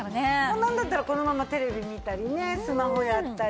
なんだったらこのままテレビ見たりねスマホやったり。